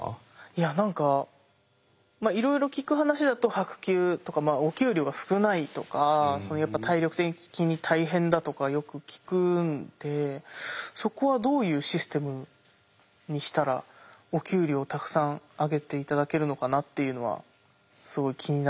いや何かいろいろ聞く話だと薄給お給料が少ないとかやっぱ体力的に大変だとかよく聞くんでそこはどういうシステムにしたらお給料たくさんあげて頂けるのかなっていうのはすごい気になりますね。